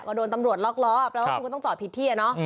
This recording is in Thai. ก็โดนตำรวจล็อกล้อแปลว่าคุณก็ต้องจอดผิดที่อะเนาะ